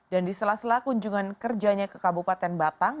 dan di sela sela kunjungan kerjanya ke kabupaten batang